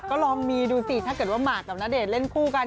ก็ลองมีดูสิถ้าเกิดว่าหมากกับณเดชน์เล่นคู่กัน